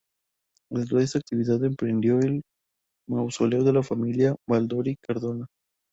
Dentro de esta actividad emprendió el mausoleo de la familia Baldoví-Cardona.